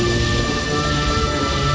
aku akan menangkapmu